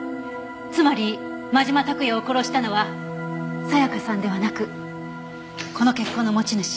つまり真島拓也を殺したのは沙也加さんではなくこの血痕の持ち主。